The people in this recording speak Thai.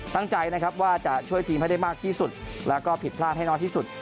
ตั้งใจนะครับว่าจะช่วยทีมให้ได้มากที่สุดแล้วก็ผิดพลาดให้น้อยที่สุด